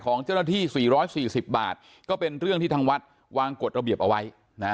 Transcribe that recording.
ของเจ้าหน้าที่๔๔๐บาทก็เป็นเรื่องที่ทางวัดวางกฎระเบียบเอาไว้นะ